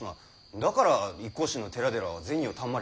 だから一向宗の寺々は銭をたんまり。